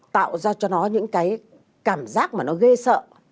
tạo ra cho nó những cái cảm giác mà nó gây sợ